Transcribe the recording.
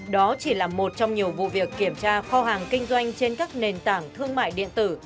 đó chỉ là một trong nhiều vụ việc kiểm tra kho hàng kinh doanh trên các nền tảng thương mại điện tử